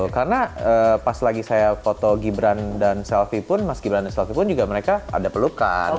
karena pas lagi saya foto gibran dan selvi pun mas gibran dan selvi pun juga mereka ada pelukan